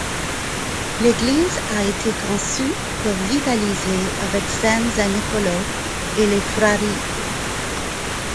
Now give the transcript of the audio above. L'église a été conçu pour rivaliser avec San Zanipolo et les Frari.